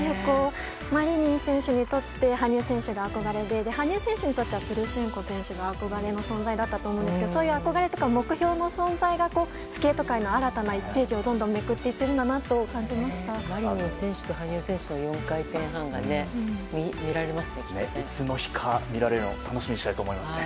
マリニン選手にとって羽生選手が憧れで羽生選手にとってはプルシェンコ選手が憧れの存在だったと思うんですけどそういう憧れとか目標の存在がスケート界の新たな１ページをどんどんめくっていってるんだと羽生選手とマリニン選手のいつの日か見られるのを楽しみにしたいですね。